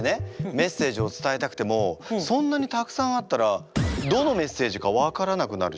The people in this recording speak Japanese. メッセージを伝えたくてもそんなにたくさんあったらどのメッセージか分からなくなるじゃない。